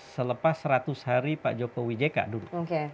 selepas seratus hari pak jokowi jk duduk